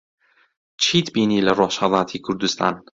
چیت بینی لە ڕۆژھەڵاتی کوردستان؟